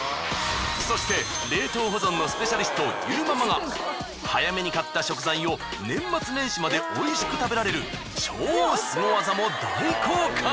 そして冷凍保存のスペシャリストゆーママが早めに買った食材を年末年始までおいしく食べられる超スゴ技も大公開！